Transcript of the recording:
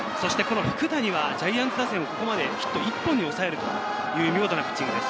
福谷はジャイアンツ打線をここまでヒット１本に抑える見事なピッチングです。